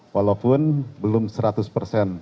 walaupun belum seratus persen